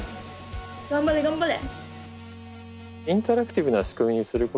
頑張れ頑張れ。